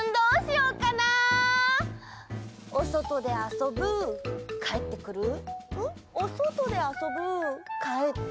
おそとであそぶかえってくるおそとであそぶかえってくる。